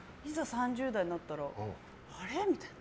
３０代になったらあれ？みたいな。